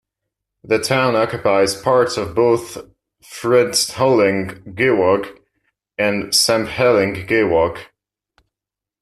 The town occupies parts of both Phuentsholing Gewog and Sampheling Gewog.